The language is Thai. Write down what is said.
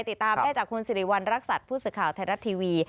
ติดตามได้จากคุณสิริวัณรักษัตริย์ผู้สื่อข่าวไทยรัฐทีวี